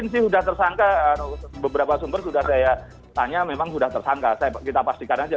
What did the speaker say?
sih sudah tersangka beberapa sumber sudah saya tanya memang sudah tersangka kita pastikan aja